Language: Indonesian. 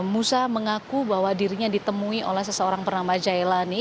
musa mengaku bahwa dirinya ditemui oleh seseorang bernama jailani